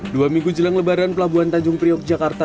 dua minggu jelang lebaran pelabuhan tanjung priok jakarta